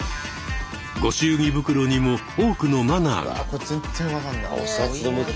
御祝儀袋にも多くのマナーが。